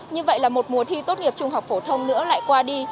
như vậy là một mùa thi tốt nghiệp trung học phổ thông nữa lại qua đi